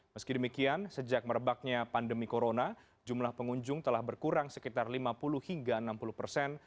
meski demikian sejak merebaknya pandemi corona jumlah pengunjung telah berkurang sekitar lima puluh hingga enam puluh persen